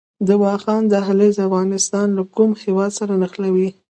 د واخان دهلیز افغانستان له کوم هیواد سره نښلوي؟